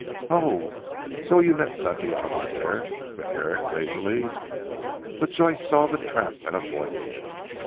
"Oh. So you met Santiago there," said Herrick lazily. But Joyce saw the trap and avoided it.